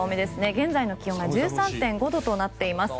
現在の気温が１３．５度となっています。